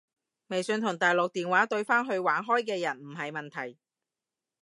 微信同大陸電話對返去玩開嘅人唔係問題